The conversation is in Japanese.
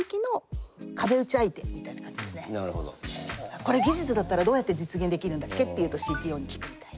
「これ技術だったらどうやって実現できるんだっけ？」っていうとＣＴＯに聞くみたいな。